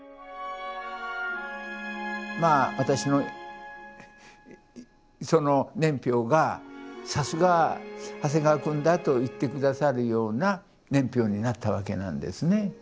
まあ私のその年表がさすが長谷川くんだと言って下さるような年表になったわけなんですね。